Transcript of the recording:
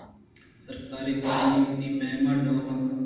سرکاری کارانی وتی پیم ءُڈول اَنت